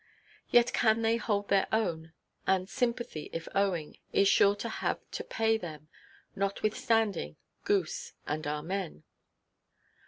Yet can they hold their own; and sympathy, if owing, is sure to have to pay them—notwithstanding, goose, and amen.